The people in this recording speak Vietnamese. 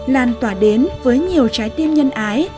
làn tỏa đến với nhiều trái tim nhân ái